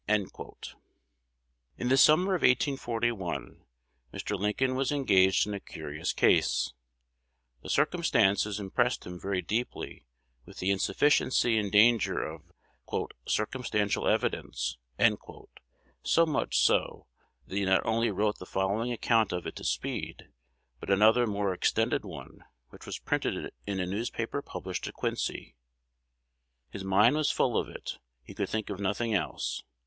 "'" In the summer of 1841, Mr. Lincoln was engaged in a curious case. The circumstances impressed him very deeply with the insufficiency and danger of "circumstantial evidence;" so much so, that he not only wrote the following account of it to Speed, but another more extended one, which was printed in a newspaper published at Quincy, 111. His mind was full of it: he could think of nothing else.